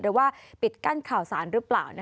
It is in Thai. หรือว่าปิดกั้นข่าวสารหรือเปล่า